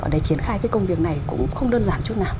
để triển khai cái công việc này cũng không đơn giản chút nào